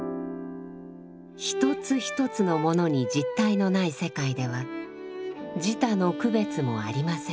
一つ一つのものに実体のない世界では自他の区別もありません。